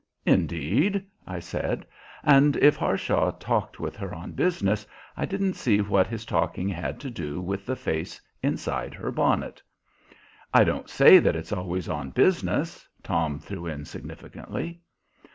"Indeed?" I said. And if Harshaw talked with her on business, I didn't see what his talking had to do with the face inside her bonnet. "I don't say that it's always on business," Tom threw in significantly.